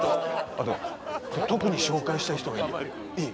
あと特に紹介したい人がいるんだよいい？